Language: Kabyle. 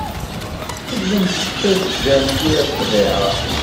Tellam tettajjam yir ḍḍbayeɛ.